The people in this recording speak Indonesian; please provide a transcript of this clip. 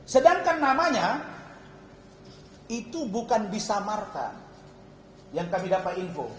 sedangkan namanya itu bukan bisa marta yang kami dapat info